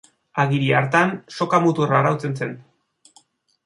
Agiri hartan, soka-muturra arautzen zen.